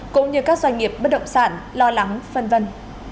cũng như các doanh nghiệp bất động sản lo lắng phân vân